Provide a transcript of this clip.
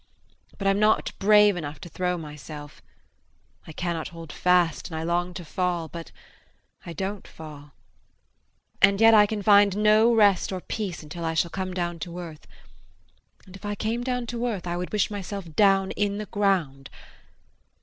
But I'm not brave enough to throw myself; I cannot hold fast and I long to fall but I don't fall. And yet I can find no rest or peace until I shall come down to earth; and if I came down to earth I would wish myself down in the ground.